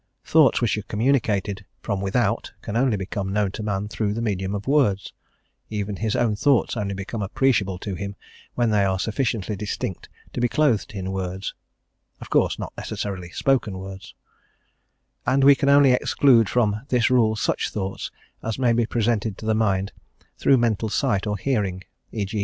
Thoughts which are communicated from without can only become known to man through the medium of words: even his own thoughts only become appreciable to him when they are sufficiently distinct to be clothed in words (of course not necessarily spoken words); and we can only exclude from this rule such thoughts as may be presented to the mind through mental sight or hearing: e.g.